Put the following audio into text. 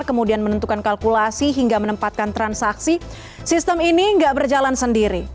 kemudian menentukan kalkulasi hingga menempatkan transaksi sistem ini nggak berjalan sendiri